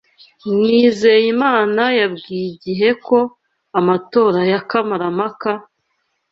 Nizeyimana yabwiye IGIHE ko amatora ya kamarampaka